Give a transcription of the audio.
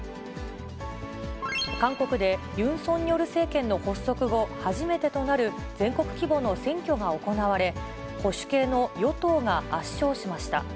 韓国でユン・ソンニョル政権の発足後初めてとなる全国規模の選挙が行われ、保守系の与党が圧勝しました。